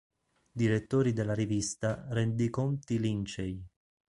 Direttori della rivista "Rendiconti Lincei.